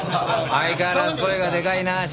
相変わらず声がでかいなあ。